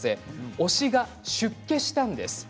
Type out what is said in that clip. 推しが出家したんです。